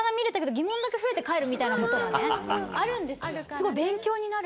すごい勉強になる。